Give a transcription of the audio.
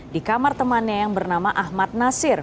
di kamar temannya yang bernama ahmad nasir